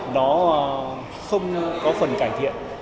nó không có phần cải thiện